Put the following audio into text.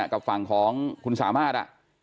กับฝั่งของคุณสามารถ